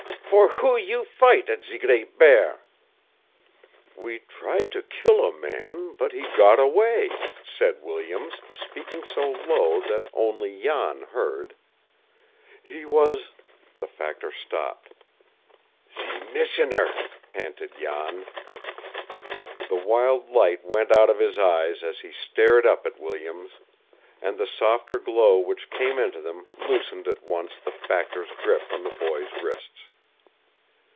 "For who you fight at ze Great Bear?" "We tried to kill a man, but he got away," said Williams, speaking so low that only Jan heard. "He was " The factor stopped. "Ze missioner!" panted Jan. The wild light went out of his eyes as he stared up at Williams, and the softer glow which came into them loosened at once the factor's grip on the boy's wrists.